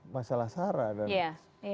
masalah sahara ya